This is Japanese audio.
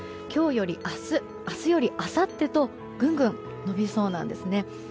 今日より明日明日よりあさってとぐんぐん伸びそうなんですね。